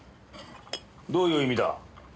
どういう意味だ？